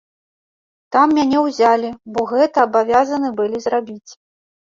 Там мяне ўзялі, бо гэта абавязаны былі зрабіць.